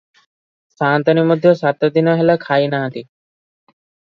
ସାଆନ୍ତାଣୀ ମଧ୍ୟ ସାତଦିନ ହେଲା ଖାଇନାହାନ୍ତି ।